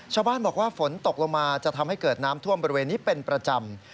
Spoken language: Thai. ชาวบ้านบอกว่าฝนตกลงมาจะทำให้เกิดน้ำท่วมบริเวณนี้เป็นประจำ